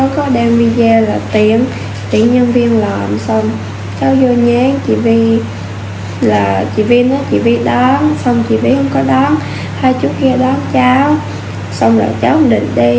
cháu vô nhán chị vi là chị vi nói chị vi đón xong chị vi không có đón hai chú kia đón cháu xong là cháu không định đi